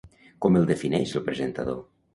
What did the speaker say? Com el defineix el presentador?